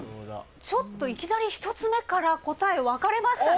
ちょっといきなり１つ目から答え分かれましたね。